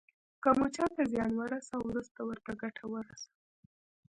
که مو چاته زیان ورساوه وروسته ورته ګټه ورسوئ.